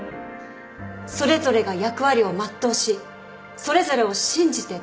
それぞれが役割を全うしそれぞれを信じて力を合わせる。